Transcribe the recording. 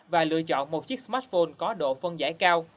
và lựa chọn một chiếc smartphone có độ phân giải cao